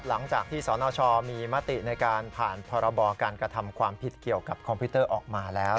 หลังจากที่สนชมีมติในการผ่านพรบการกระทำความผิดเกี่ยวกับคอมพิวเตอร์ออกมาแล้ว